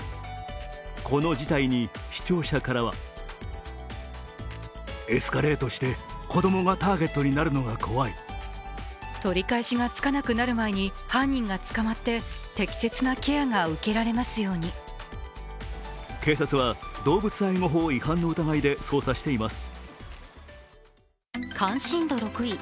この事態に視聴者からは警察は動物愛護法違反の疑いで捜査しています。